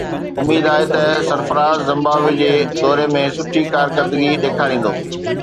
اميد آهي ته سرفراز زمبابوي جي دوري ۾ سٺي ڪارڪردگي ڏيکاريندو